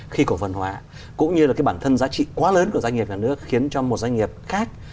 khi cổ phần hóa cũng như là cái bản thân giá trị quá lớn của doanh nghiệp nhà nước khiến cho một doanh nghiệp khác